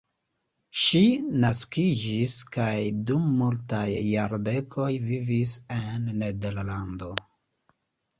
Ŝi naskiĝis kaj dum multaj jardekoj vivis en Nederlando.